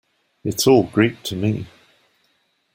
It's all Greek to me.